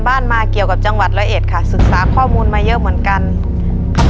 ตัวเลือกที่๔กัจะวีสองเมืองครับ